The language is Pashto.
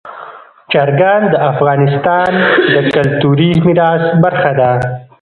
چرګان د افغانستان د کلتوري میراث برخه ده.